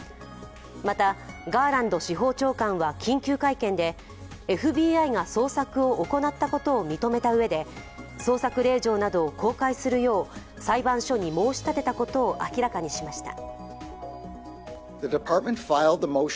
また、ガーランド司法長官は緊急会見でＦＢＩが捜索を行ったことを認めたうえで、捜索令状などを公開するよう裁判所に申し立てたことを明らかにしました。